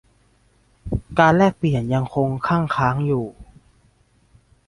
การแลกเปลี่ยนยังคงคั่งค้างอยู่